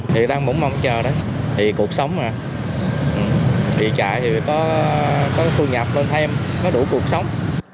thì đang bỗng mộng chờ đó thì cuộc sống mà thì chạy thì có thu nhập lên thêm có đủ cuộc sống